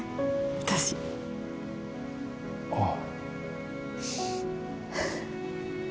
私ああ